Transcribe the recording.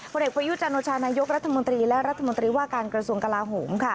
เด็กประยุจันโอชานายกรัฐมนตรีและรัฐมนตรีว่าการกระทรวงกลาโหม